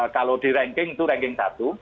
kalau di ranking itu ranking satu